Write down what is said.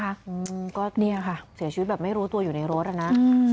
อืมก็เสียชีวิตแบบไม่รู้ตัวอยู่ในรถละนะ